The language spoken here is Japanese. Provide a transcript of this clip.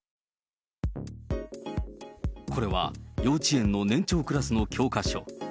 これは幼稚園の年長クラスの教科書。